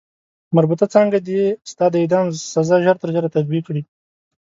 مربوطه څانګه دې ستا د اعدام سزا ژر تر ژره تطبیق کړي.